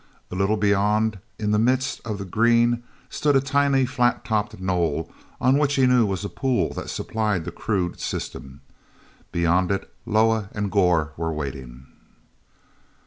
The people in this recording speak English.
A little beyond, in the midst of the green, stood a tiny flat topped knoll on which he knew was a pool that supplied the crude system. Beyond it Loah and Gor were waiting.